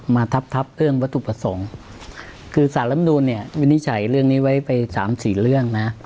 มาทับทับเรื่องวัตถุประสงค์คือสารลำนูนเนี่ยวินิจฉัยเรื่องนี้ไว้ไปสามสี่เรื่องนะ